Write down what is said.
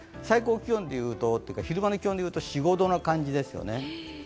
最高気温でいうと、昼間の気温でいうと４５度の感じですね。